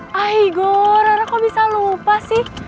ya igor rara kok bisa lupa sih